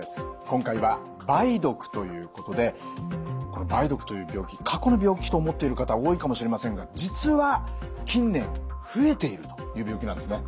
今回は梅毒ということでこの梅毒という病気過去の病気と思っている方多いかもしれませんが実は近年増えているという病気なんですね。